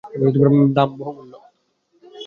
দাম, বহুমূল্য!